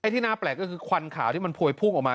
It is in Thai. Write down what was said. ที่น่าแปลกก็คือควันขาวที่มันพวยพุ่งออกมา